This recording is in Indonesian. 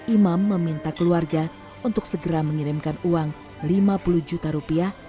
imam meminta keluarga untuk segera mengirimkan uang lima puluh juta rupiah